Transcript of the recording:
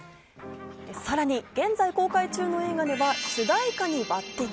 さらに現在公開中の映画では、主題歌に抜てき。